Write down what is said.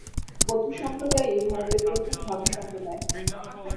বৌদ্ধ সম্প্রদায়ই ভারতের প্রথম ধর্মসম্প্রদায়।